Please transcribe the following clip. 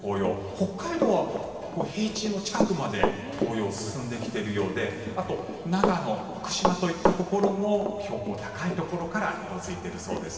北海道は平地の近くまで紅葉、進んできてるようであと長野、福島といったところも標高が高いところから色付いているそうです。